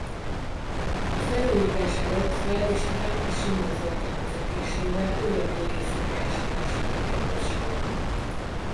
A felújítás előtt Feld István és Simon Zoltán vezetésével újabb régészeti ásatásokra került sor.